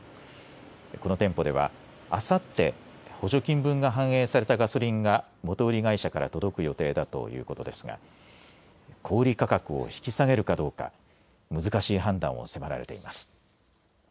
この店舗ではあさって補助金分が反映されたガソリンが元売り会社から届く予定だということですが小売価格を引き下げるかどうか難しい判断を迫られています。